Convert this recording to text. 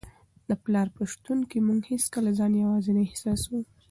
د پلار په شتون کي موږ هیڅکله ځان یوازې نه احساسوو.